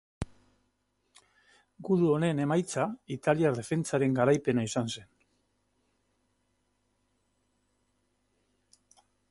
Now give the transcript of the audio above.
Gudu honen emaitza italiar defentsaren garaipena izan zen.